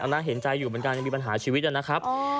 น่าเห็นใจอยู่เหมือนกันยังมีปัญหาชีวิตนะครับ